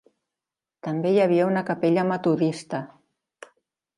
També hi havia una capella metodista.